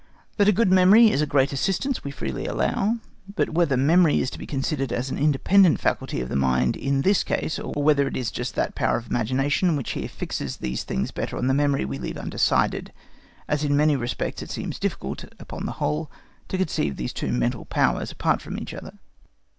That a good memory is a great assistance we freely allow, but whether memory is to be considered as an independent faculty of the mind in this case, or whether it is just that power of imagination which here fixes these things better on the memory, we leave undecided, as in many respects it seems difficult upon the whole to conceive these two mental powers apart from each other.